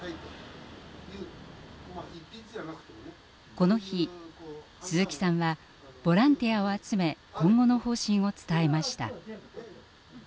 この日鈴木さんはボランティアを集め今後の方針を伝えました。